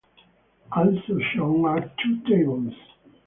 Also shown are two tables.